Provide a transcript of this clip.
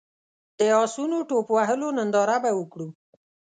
د اسونو ټوپ وهلو ننداره به وکړو.